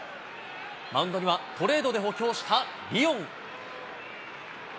マウンドにはトレードで補強したリオン。